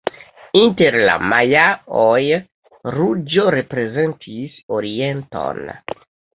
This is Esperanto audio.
Inter la majaoj ruĝo reprezentis orienton.